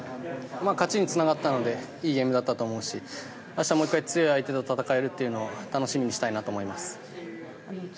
勝ちにつながったのでいいゲームだったと思うし明日、もう１回強い相手と戦えるっていうのを楽しみにしたいなと思います。